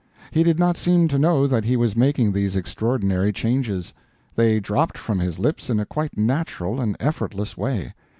He did not seem to know that he was making these extraordinary changes; they dropped from his lips in a quite natural and effortless way.